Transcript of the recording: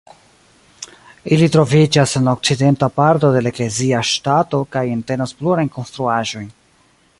Ili troviĝas en la okcidenta parto de la eklezia ŝtato kaj entenas plurajn konstruaĵojn.